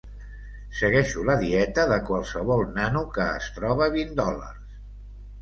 Segueixo la dieta de qualsevol nano que es troba vint dòlars.